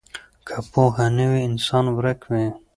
که پوهه نه وي انسان ورک وي.